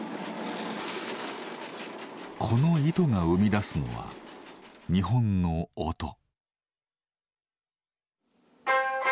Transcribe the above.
この糸が生み出すのは日本の音。